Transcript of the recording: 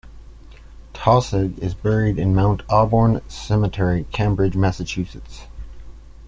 Taussig is buried in Mount Auburn Cemetery, Cambridge, Massachusetts.